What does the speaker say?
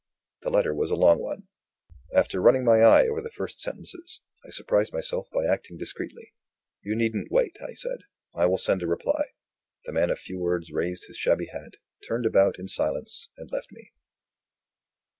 The letter was a long one. After running my eye over the first sentences, I surprised myself by acting discreetly. "You needn't wait," I said; "I will send a reply." The man of few words raised his shabby hat, turned about in silence, and left me.